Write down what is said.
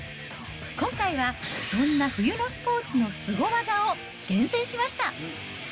今回はそんな冬のスポーツのすご技を厳選しました。